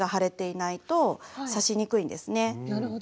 なるほど。